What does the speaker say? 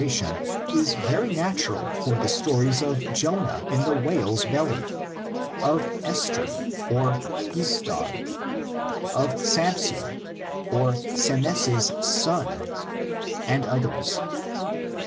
tion is very natural for the stories of Jonah in the whale's belly, of Esther (Istar), of Samson (Semes's sun) and others.